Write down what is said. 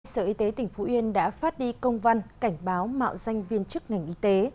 sở y tế tỉnh phú yên đã phát đi công văn cảnh báo mạo danh viên chức ngành y tế